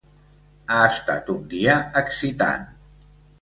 Ha estat un dia excitant.